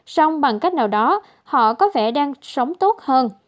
xong bằng cách nào đó họ có vẻ đang sống tốt hơn